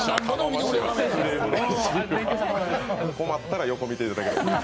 困ったら横見ていただければ。